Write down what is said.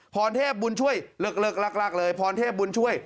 พรเทพบุญช่วยเลิกลากเลยพรเทพบุญช่วย